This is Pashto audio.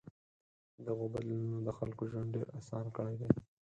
دغو بدلونونو د خلکو ژوند ډېر آسان کړی دی.